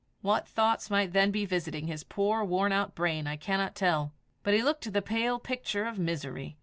What thoughts might then be visiting his poor worn out brain I cannot tell; but he looked the pale picture of misery.